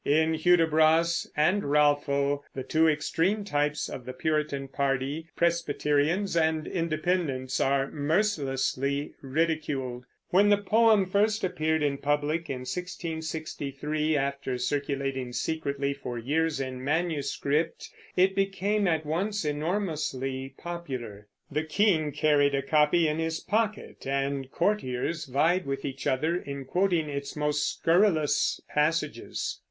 In Hudibras and Ralpho the two extreme types of the Puritan party, Presbyterians and Independents, are mercilessly ridiculed. When the poem first appeared in public, in 1663, after circulating secretly for years in manuscript, it became at once enormously popular. The king carried a copy in his pocket, and courtiers vied with each other in quoting its most scurrilous passages.